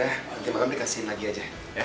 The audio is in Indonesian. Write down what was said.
nanti makam dikasihin lagi aja